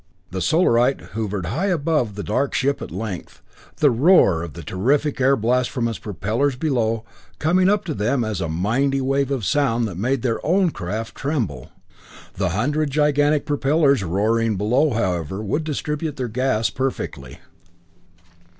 The Solarite hovered high above the dark ship at length, the roar of the terrific air blast from its propellers below coming up to them as a mighty wave of sound that made their own craft tremble! The hundred gigantic propellers roaring below, however, would distribute their gas perfectly.